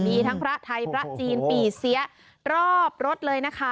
มีทั้งพระไทยพระจีนปี่เสียรอบรถเลยนะคะ